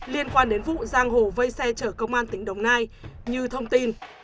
liên quan đến vụ giang hồ vây xe chở công an tỉnh đồng nai như thông tin